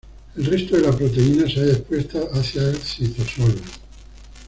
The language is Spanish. El resto de la proteína se halla expuesta hacia el citosol.